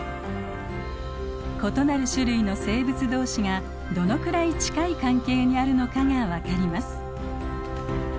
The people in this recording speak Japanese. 異なる種類の生物同士がどのくらい近い関係にあるのかが分かります。